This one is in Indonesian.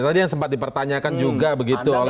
tadi yang sempat dipertanyakan juga begitu